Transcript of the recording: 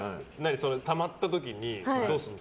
たまった時にどうするの？